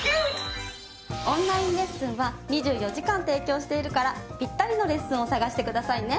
オンラインレッスンは２４時間提供しているからピッタリのレッスンを探してくださいね。